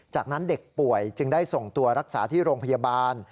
จากนั้นเด็กป่วยจึงได้ส่งตัวรักษาที่โรงพยาบาล